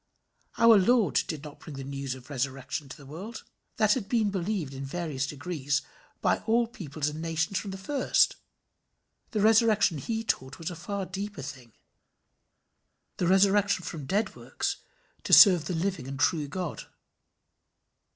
Our Lord did not bring the news of resurrection to the world: that had been believed, in varying degrees, by all peoples and nations from the first: the resurrection he taught was a far deeper thing the resurrection from dead works to serve the living and true God.